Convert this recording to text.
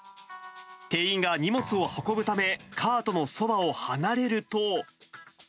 店員が荷物を運ぶため、カートのそばを離れると。